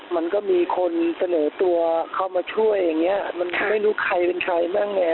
มันก็มีคนเสนอตัวเข้ามาช่วยอย่างเงี้ยมันไม่รู้ใครเป็นใครบ้างไง